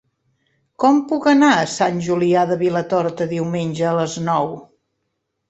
Com puc anar a Sant Julià de Vilatorta diumenge a les nou?